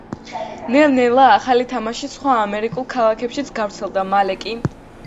ნელ-ნელა ახალი თამაში სხვა ამერიკულ ქალაქებშიც გავრცელდა. მალე კი